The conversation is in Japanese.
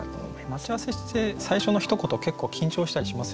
待ち合わせして最初のひと言結構緊張したりしますよね。